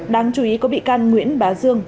đáng chú ý có bị can nguyễn bá dương